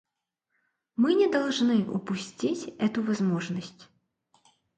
Мы не должны упустить эту возможность.